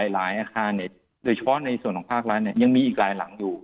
หลายอาคารเนี่ยโดยเฉพาะในส่วนของภาคร้านเนี่ยยังมีอีกหลายหลังอยู่